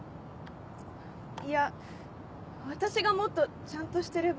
いや私がもっとちゃんとしてれば。